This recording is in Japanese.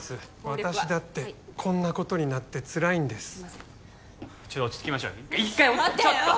私だってこんなことになってつらいんです一度落ち着きましょうちょっと！